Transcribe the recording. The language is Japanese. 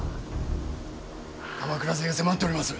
鎌倉勢が迫っております。